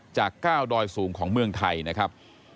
จาก๙ดอยสูงของเมืองไทยนะครับ